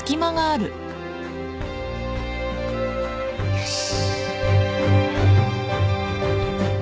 よし。